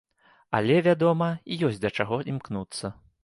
Але, вядома, ёсць да чаго імкнуцца.